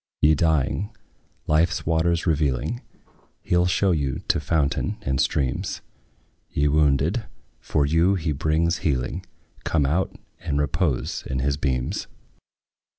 Ye dying, life's waters revealing, He 'll show you to fountain and streams: Ye wounded, for you he brings healing; Come out and repose in his beams.